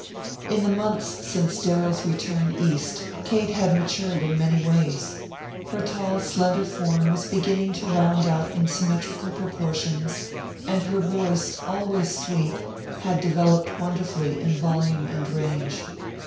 In the months since Darrell's return east Kate had matured in many ways. Her tall, slender form was beginning to round out in symmetrical proportions, and her voice, always sweet, had developed wonderfully in volume and range.